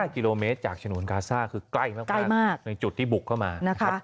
๕กิโลเมตรจากฉนวนกาซ่าคือใกล้มากในจุดที่บุกเข้ามานะครับ